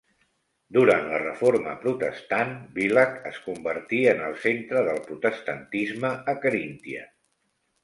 Durant la Reforma Protestant, Villach es convertí en el centre del protestantisme a Caríntia.